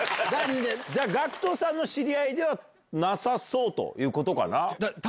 じゃあＧＡＣＫＴさんの知り合いではなさそうということかな。